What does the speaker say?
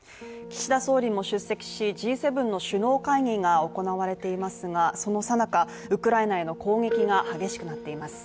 岸田総理も出席し、Ｇ７の首脳会議が行われていますがそのさなか、ウクライナへの攻撃が激しくなっています。